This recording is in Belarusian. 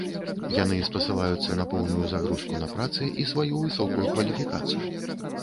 Яны спасылаюцца на поўную загрузку на працы і сваю высокую кваліфікацыю.